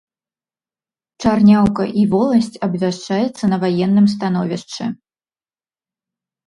Чарняўка і воласць абвяшчаецца на ваенным становішчы.